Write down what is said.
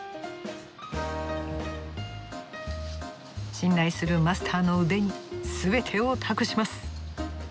信頼するマスターの腕に全てを託します。